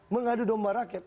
mengadu domba rakyat